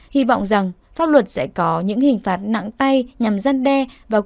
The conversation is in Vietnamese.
hy vọng rằng pháp luật sẽ có những hình phạt nặng tay nhằm răn đe và củng cố xã hội